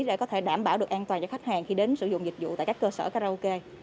để có thể đảm bảo được an toàn cho khách hàng khi đến sử dụng dịch vụ tại các cơ sở karaoke